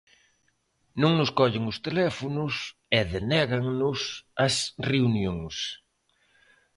Non nos collen os teléfonos e denégannos as reunións.